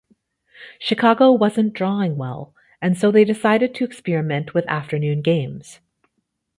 Chicago wasn't drawing well and so they decided to experiment with afternoon games.